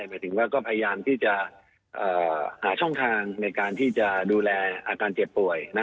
หมายถึงว่าก็พยายามที่จะหาช่องทางในการที่จะดูแลอาการเจ็บป่วย